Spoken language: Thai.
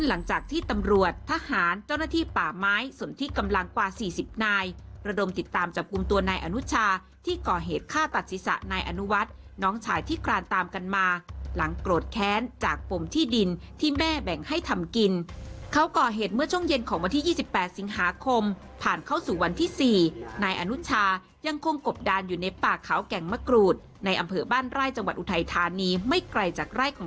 หลังจากที่ตำรวจทหารเจ้าหน้าที่ป่าไม้ส่วนที่กำลังกว่าสี่สิบนายระดมติดตามจับกลุ่มตัวนายอนุชาที่ก่อเหตุฆ่าตัดศีรษะนายอนุวัตรน้องชายที่กลานตามกันมาหลังโกรธแค้นจากปมที่ดินที่แม่แบ่งให้ทำกินเขาก่อเหตุเมื่อช่วงเย็นของวันที่ยี่สิบแปดสิงหาคมผ่านเข้าสู่วันที่สี่นายอนุช